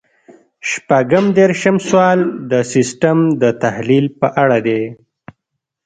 شپږ دېرشم سوال د سیسټم د تحلیل په اړه دی.